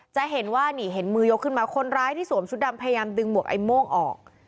จะเห็นว่านี่เห็นมือยกขึ้นมาคนร้ายที่สวมชุดดำพยายามดึงหมวกไอ้โม่งออก